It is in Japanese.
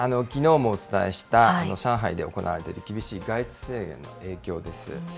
きのうもお伝えした上海で行われている、厳しい外出制限の影響です。